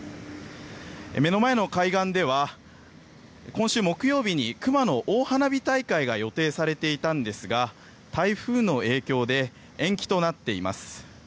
目の前の海岸では、今週木曜日に熊野大花火大会が予定されていたんですが台風の影響で延期となっています。